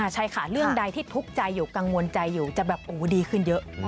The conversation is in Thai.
ใช่ค่ะเรื่องใดที่ทุกข์ใจอยู่กังวลใจอยู่จะแบบดีขึ้นเยอะ